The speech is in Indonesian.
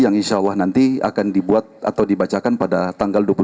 yang insya allah nanti akan dibuat atau dibacakan pada tanggal dua puluh